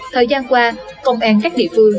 thời gian qua công an các địa phương